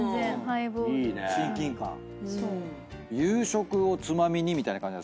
夕食をつまみにみたいな感じ？